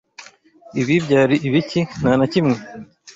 "Ibi byari ibiki?" "Nta na kimwe."